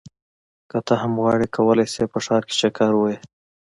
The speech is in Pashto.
که ته هم غواړې کولی شې په ښار کې چکر ووهې.